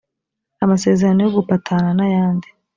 amasezerano yo gupatana n ayandi